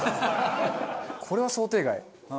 これは想定外。